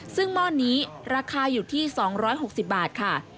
ซึ่งหม้อนี้ราคาอยู่ที่๒๖๐บาทค่ะ